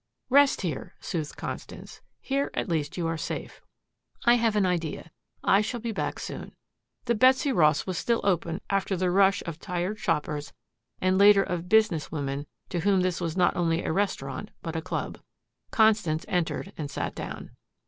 "Rest here," soothed Constance. "Here at least you are safe. I have an idea. I shall be back soon." The Betsy Ross was still open after the rush of tired shoppers and later of business women to whom this was not only a restaurant but a club. Constance entered and sat down.